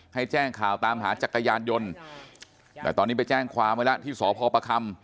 ให้แจ้งข่าวตามหาจักรยานยนต์แต่ตอนนี้ไปแจ้งความไว้แล้วที่สพประคำ